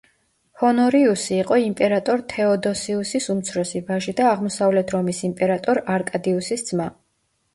ჰონორიუსი იყო იმპერატორ თეოდოსიუსის უმცროსი ვაჟი და აღმოსავლეთ რომის იმპერატორ არკადიუსის ძმა.